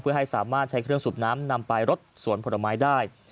เพื่อให้สามารถใช้เครื่องสูบน้ำนำไปรดสวนผลไม้ได้